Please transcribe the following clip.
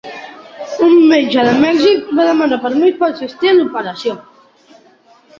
Un metge de Mèxic va demanar permís per assistir a l'operació.